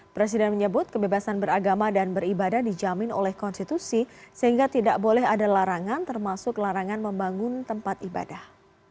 presiden menyebut kebebasan beragama dan beribadah dijamin oleh konstitusi sehingga tidak boleh ada larangan termasuk larangan membangun tempat ibadah